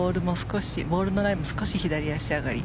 ボールのライも少し左足上がり。